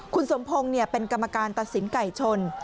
คุณสมพงศ์เป็นกรรมการตัดสินไก่ชน